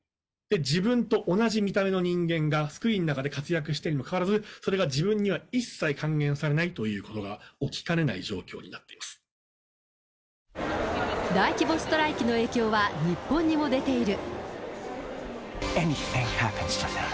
自分と同じ見た目の人間がスクリーンの中で活躍しているにもかかわらず、それが自分には一切還元されないということが起きかねない状況に大規模ストライキの影響は日本にも出ている。